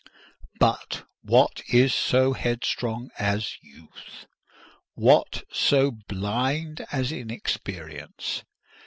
But what is so headstrong as youth? What so blind as inexperience?